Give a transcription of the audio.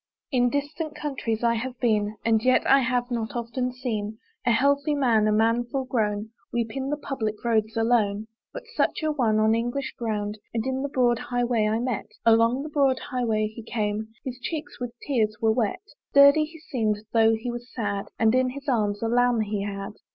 In distant countries I have been, And yet I have not often seen A healthy man, a man full grown Weep in the public roads alone. But such a one, on English ground, And in the broad high way, I met; Along the broad high way he came, His cheeks with tears were wet. Sturdy he seemed, though he was sad; And in his arms a lamb he had.